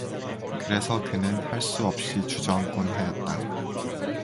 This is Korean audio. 그래서 그는 할 수 없이 주저앉곤 하였다.